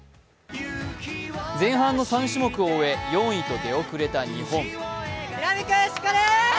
前半の３種目を終え４位と出遅れた日本。